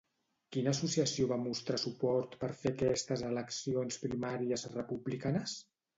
Quina associació va mostrar suport per fer aquestes eleccions primàries republicanes?